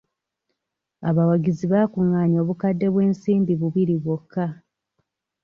Abawagizi baakungaanya obukadde bw'ensimbi bubiri bwokka.